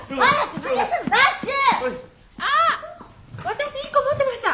私１個持ってました。